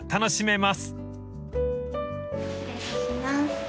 失礼いたします。